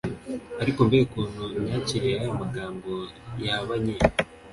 Ariko mbega ukuntu imyakirire y'ayo magambo yahabanye!